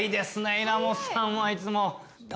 稲本さんはいつも。